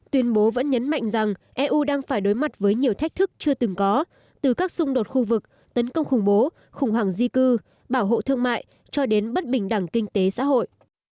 tuyên bố vẫn nhấn mạnh rằng eu đang phải đối mặt với nhiều thách thức chưa từng có từ các xung đột khu vực tấn công khủng bố khủng hoảng di cư bảo hộ thương mại cho đến bất bình đẳng kinh tế xã hội